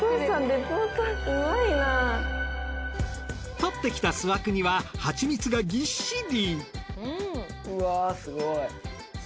採ってきた巣枠にはハチミツがぎっしり。